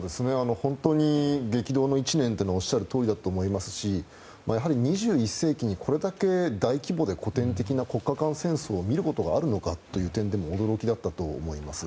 激動の１年というのはおっしゃるとおりだと思いますし２１世紀にこれだけ大規模で古典的な国家間戦争を見ることがあるのかという点でも驚きだったと思います。